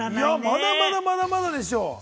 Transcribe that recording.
まだまだ、まだまだでしょう。